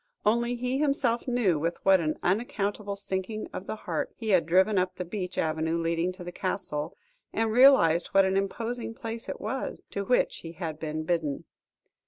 Only he himself knew with what an unaccountable sinking of the heart he had driven up the beech avenue leading to the Castle, and realised what an imposing place it was, to which he had been bidden.